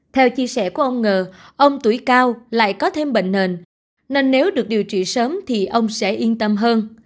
theo chia sẻ của ông ngờ ông tuổi cao lại có thêm bệnh nền nên nếu được điều trị sớm thì ông sẽ yên tâm hơn